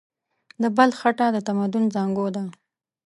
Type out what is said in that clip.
د بلخ خټه د تمدن زانګو ده.